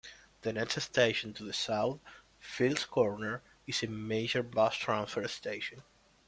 The next station to the south, Fields Corner, is a major bus transfer station.